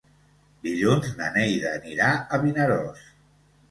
Dilluns na Neida anirà a Vinaròs.